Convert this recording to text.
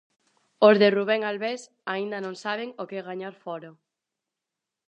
Os de Rubén Albés aínda non saben o que é gañar fóra.